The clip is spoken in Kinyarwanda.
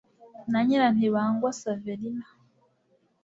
na nyirantibangwa saverina